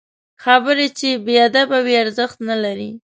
خبرې چې بې ادبه وي، ارزښت نلري